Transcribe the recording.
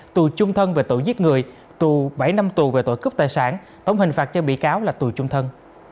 tù trung thân về tội giết người tù bảy năm tù về tội cướp tài sản tổng hình phạt cho bị cáo là tù chung thân